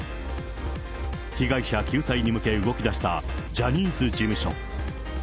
被害者救済に向け動き出したジャニーズ事務所。